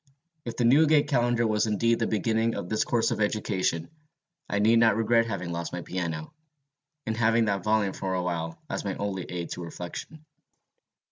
If the Newgate Calendar was indeed the beginning of this course of education, I need not regret having lost my piano, and having that volume for a while as my only aid to reflection.